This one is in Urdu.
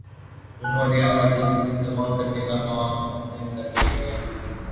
انہوں نے احادیث جمع کرنے کا کام اپنے سر لے لیا